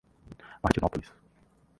Martinópolis